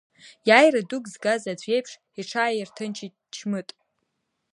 Иааира дук згаз аӡә иеиԥш иҽааирҭынчит Чмыт.